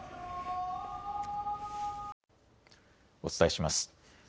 お伝えします。